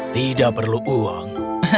tidak perlu uang